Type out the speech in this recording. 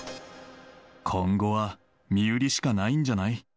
今後は身売りしかないんじゃない。